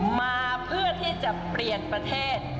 มาเพื่อที่จะเปลี่ยนประเทศ